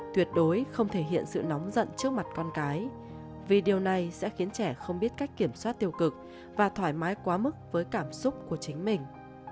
tuyệt đối không thể hiện sự nóng giận trước mặt con cái vì điều này sẽ khiến trẻ không biết cách kiểm soát tiêu cực và thoải mái quá mức với cảm xúc của chính mình